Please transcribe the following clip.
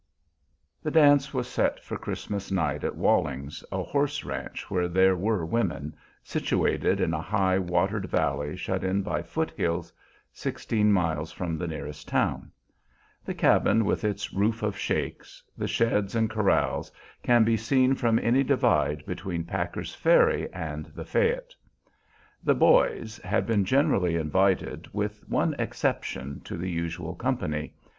The dance was set for Christmas night at Walling's, a horse ranch where there were women, situated in a high, watered valley shut in by foothills, sixteen miles from the nearest town. The cabin with its roof of shakes, the sheds and corrals, can be seen from any divide between Packer's ferry and the Fayette. The "boys" had been generally invited, with one exception to the usual company.